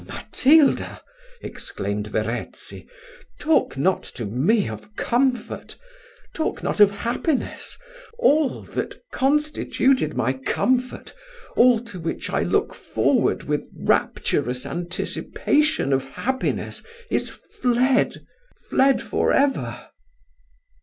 Matilda," exclaimed Verezzi, "talk not to me of comfort, talk not of happiness, all that constituted my comfort, all to which I looked forward with rapturous anticipation of happiness, is fled fled for ever."